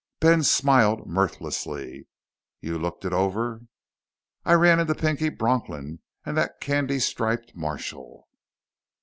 Ben smiled mirthlessly. "You looked it over?" "I ran into Pinky Bronklin and that candy striped marshal."